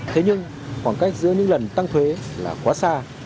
thế nhưng khoảng cách giữa những lần tăng thuế là quá xa